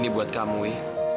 ini buat kamu wi